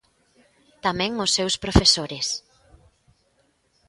Tamén os seus profesores.